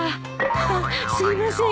あっすいません。